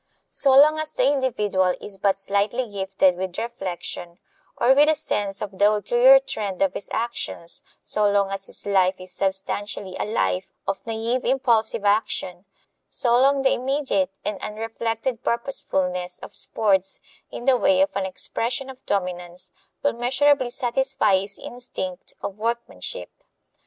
So long as the individual is but slightly gifted with reflection or with a sense of the ulterior trend of his actions so long as his life is substantially a life of naive impulsive action so long the immediate and unreflected purposefulness of sports, in the way of an expression of dominance, will measurably satisfy his instinct of workmanship.